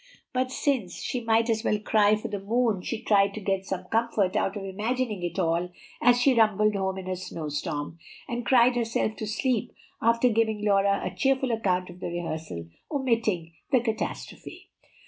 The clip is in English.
But since she might as well cry for the moon she tried to get some comfort out of imagining it all as she rumbled home in a snowstorm, and cried herself to sleep after giving Laura a cheerful account of the rehearsal, omitting the catastrophe.